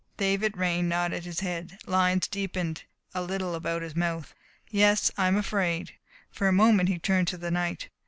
David Raine nodded his head. Lines deepened a little about his mouth. "Yes, I am afraid." For a moment he turned to the night.